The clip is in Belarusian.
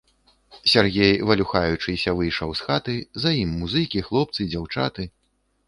Сяргей, валюхаючыся, выйшаў з хаты, за ім музыкі, хлопцы, дзяўчаты.